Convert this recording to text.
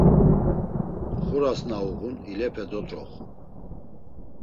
Xuras na uğun ilepe dut̆roxu.